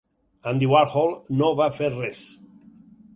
Andy Warhol no va fer res.